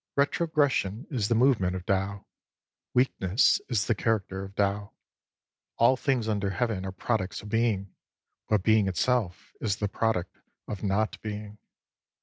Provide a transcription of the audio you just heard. Retrogression is the movement of Tao. Weak ness is the character of Tao. All things under Heaven are products of Being, but Being itself is the product of Not Being.